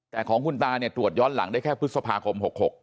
แต่ของคุณตาเนี่ยตรวจย้อนหลังได้แค่พฤษภาคม๖๖